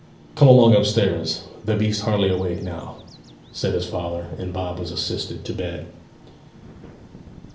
'Come along upstairs: th' beest hardly awake now,' said his father and Bob was assisted to bed.